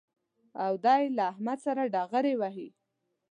او دی له احمد سره ډغرې وهي